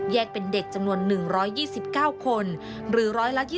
เป็นเด็กจำนวน๑๒๙คนหรือ๑๒๐